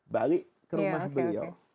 balik ke rumah beliau